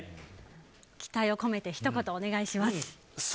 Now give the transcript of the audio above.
期待を込めてひと言お願いします。